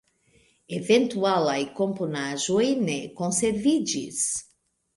Eventualaj komponaĵoj ne konserviĝis.